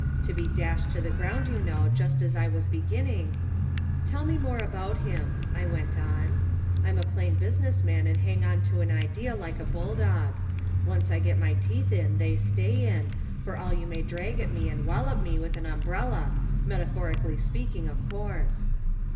To be dashed to the ground, you know, just as I was beginning "Tell me some more about him," I went on. I'm a plain business man and hang on to an idea like a bulldog; once I get my teeth in they stay in, for all you may drag at me and wallop me with an umbrella metaphorically speaking, of course.